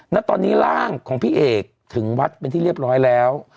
ณตอนนี้ร่างของพี่เอกถึงวัดเป็นที่เรียบร้อยแล้ว